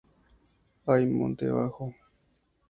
Hay monte bajo.